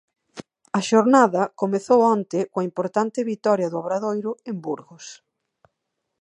A xornada comezou onte coa importante vitoria do Obradoiro en Burgos.